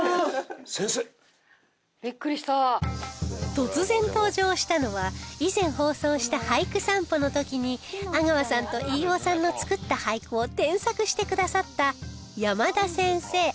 突然登場したのは以前放送した俳句散歩の時に阿川さんと飯尾さんの作った俳句を添削してくださった山田先生